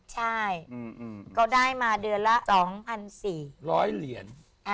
ใช่ก็ได้มาเดือนละ๒๔๐๐เหรียญ